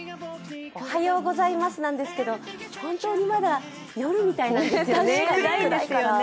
おはようございますなんですけど本当にまだ夜みたいなんですよね。